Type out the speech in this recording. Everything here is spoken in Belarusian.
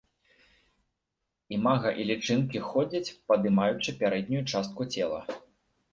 Імага і лічынкі ходзяць, падымаючы пярэднюю частку цела.